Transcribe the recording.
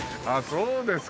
そうですか。